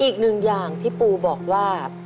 อีกหนึ่งอย่างที่ปูบอกว่า